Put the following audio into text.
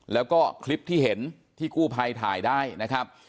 แล้วก็คลิปที่เห็นที่กู้ภัยถ่ายได้นะครับ